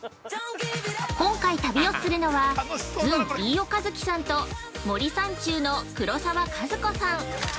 今回旅をするのは、ずん・飯尾和樹さんと森三中の黒沢かずこさん。